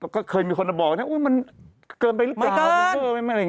ก็เคยมีคนมาบอกว่ามันเกินไปหรือเปล่า